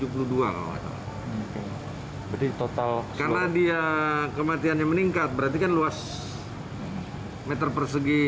kalau jadi total karena dia kematian yang meningkat berarti kan luas meter persegi